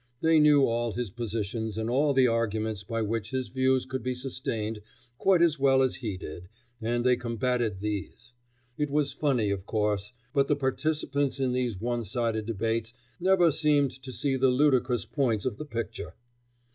They knew all his positions and all the arguments by which his views could be sustained quite as well as he did, and they combated these. It was funny, of course, but the participants in these one sided debates never seemed to see the ludicrous points of the picture.